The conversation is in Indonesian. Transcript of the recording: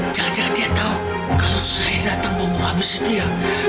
jangan jangan dia tahu kalau saya datang mau mau habis setia